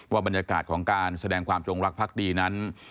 บรรยากาศของการแสดงความจงรักภักดีนั้น